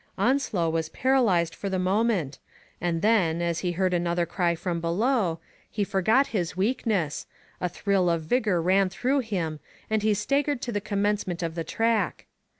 Onslow was paralyzed for the moment, and then, as he heard another cry from below, he for got his weakness, a thrill of vigor ran through him, and he staggered to the commencement of Digitized by Google 282 THE FATE OF FENELLA, the track.